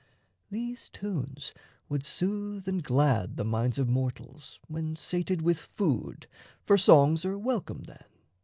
These tunes would soothe and glad the minds of mortals When sated with food, for songs are welcome then.